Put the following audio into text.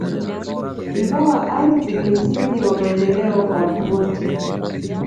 Ingawa ardhi ni msingi wa maendeleo kwa watu wote